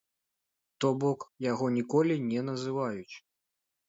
То бок, яго ніколі не называюць.